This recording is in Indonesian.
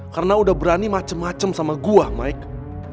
karena udah berani macem macem sama gue mike